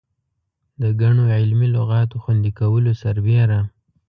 د ګڼو علمي لغاتو خوندي کولو سربېره.